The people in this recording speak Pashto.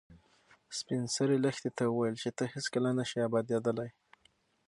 سپین سرې لښتې ته وویل چې ته هیڅکله نه شې ابادېدلی.